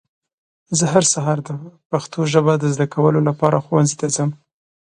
زه هر سهار د پښتو ژبه د ذده کولو لپاره ښونځي ته ځم.